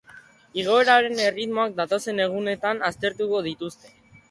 Igoeraren erritmoak datozen egunetan aztertuko dituzte.